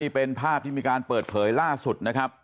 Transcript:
เป็นภาพที่มีการเปิดเผยล่าสุดนะครับ